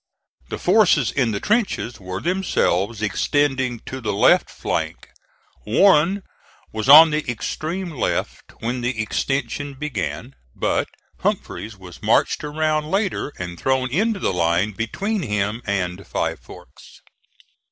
The forces in the trenches were themselves extending to the left flank. Warren was on the extreme left when the extension began, but Humphreys was marched around later and thrown into line between him and Five Forks.